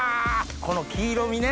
この黄色みね！